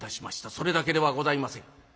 それだけではございません。